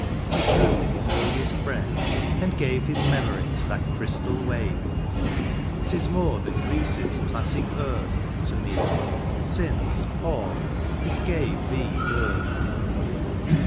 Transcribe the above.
He drew his earliest breath, and gave His memory to that crystal wave : Tis more than Greece^s classic earth To me, since, Paul, it gave thee birth.